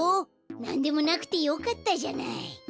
なんでもなくてよかったじゃない。